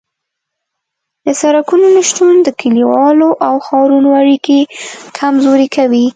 د سرکونو نشتون د کلیو او ښارونو اړیکې کمزورې کوي